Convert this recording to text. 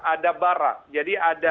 ada barang jadi ada